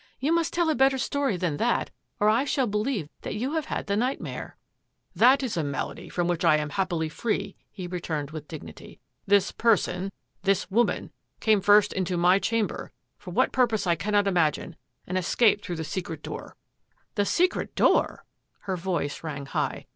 You must tell a better story than that or I shall believe that you have had the nightmare." " That is a malady from which I am happily free," he returned with dignity. " This person — this woman — came first into my chamber, for what purpose I cannot imagine, and escaped through the secret door." " The secret door !" Her voice rang high.